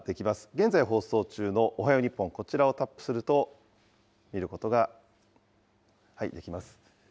現在放送中のおはよう日本、こちらをタップすると見ることができます。